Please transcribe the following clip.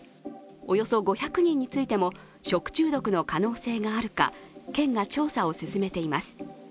およそ５００人についても食中毒の可能性があるか県が調査を進めています。